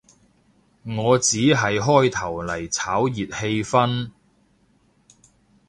我只係開頭嚟炒熱氣氛